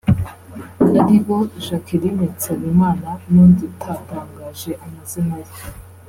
aribo Jacqueline Nsabimana n’undi utatangaje amazi ye